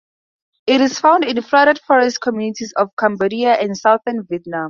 It is found in flooded forest communities of Cambodia and southern Vietnam.